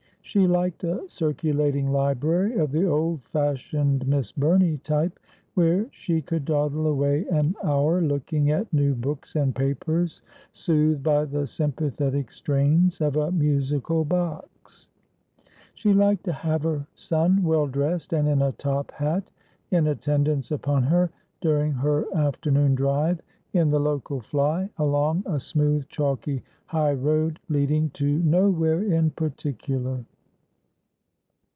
She liked a circulating library of the old fashioned. Miss Burney type ; where she could dawdle away an hour looking at new books and papers, soothed by the sympa thetic strains of a musical box. She liked to have her son well dressed and in a top hat, in attendance upon her during her afternoon drive in the local fly, along a smooth chalky high road leading to nowhere in particular.